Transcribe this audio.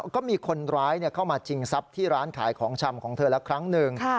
ก็มีคนร้ายเข้ามาชิงทรัพย์ที่ร้านขายของชำของเธอละครั้งหนึ่ง